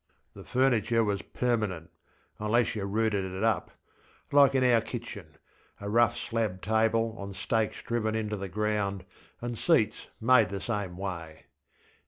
The furniture was permanent (unless you rooted it up), like in our kitchen: a rough slab table on stakes driven into the ground, and seats made the same way.